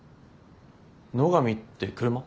野上って車？